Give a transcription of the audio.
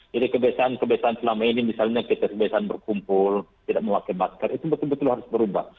jadi kebiasaan kebiasaan selama ini misalnya kita kebiasaan berkumpul tidak mewakilkan itu betul betul harus berubah